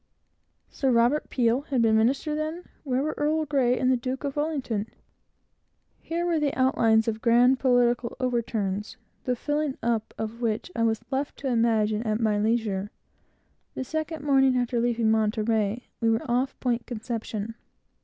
(Sir Robert Peel had been minister, then? and where were Earl Grey and the Duke of Wellington?) Here were the outlines of a grand parliamentary overturn, the filling up of which I could imagine at my leisure. The second morning after leaving Monterey, we were off Point Conception.